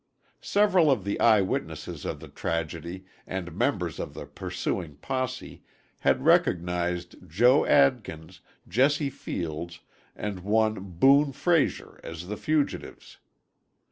Several of the eye witnesses of the tragedy and members of the pursuing posse had recognized Joe Adkins, Jesse Fields and one Boon Frazier as the fugitives.